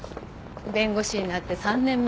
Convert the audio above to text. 弁護士になって３年目。